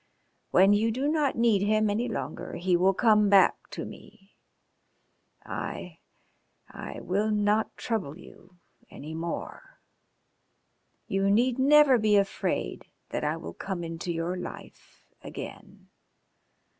When you do not need him any longer, he will come back to me. I I will not trouble you any more. You need never be afraid that I will come into your life again.